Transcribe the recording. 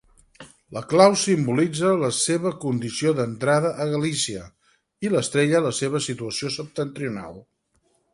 La clau simbolitza la seva condició d'entrada a Galícia, i l'estrella la seva situació septentrional.